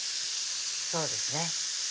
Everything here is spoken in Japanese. そうですね